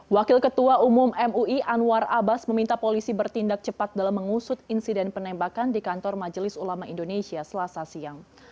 wakil ketua umum mui anwar abbas meminta polisi bertindak cepat dalam mengusut insiden penembakan di kantor majelis ulama indonesia selasa siang